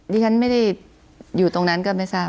ดิฉันไม่ได้อยู่ตรงนั้นก็ไม่ทราบ